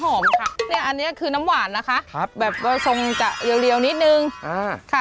ก็เลยเอาตัวน้ำมาอย่างเดียวค่ะ